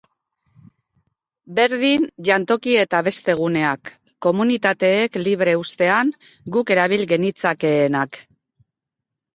Berdin jantoki eta beste guneak, komunitateek libre uztean, guk erabil genitzakeenak.